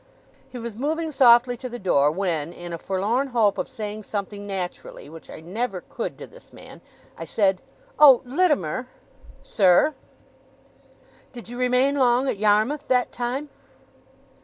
He was moving softly to the door, when, in a forlorn hope of saying something naturally which I never could, to this man I said: 'Oh! Littimer!' 'Sir!' 'Did you remain long at Yarmouth, that time?